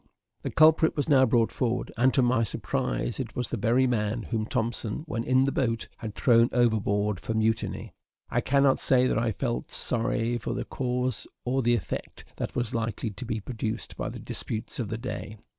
The culprit was now brought forward, and to my surprise it was the very man whom Thompson, when in the boat, had thrown overboard for mutiny. I cannot say that I felt sorry for the cause or the effect that was likely to be produced by the disputes of the day.